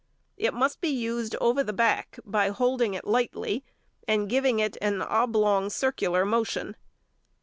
It must be used over the back by holding it lightly, and giving it an oblong circular motion.